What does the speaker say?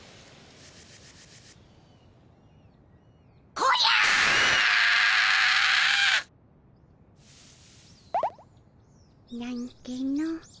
こりゃあ！なんての。